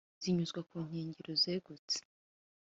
zinyuzwa Kunkengero zegutse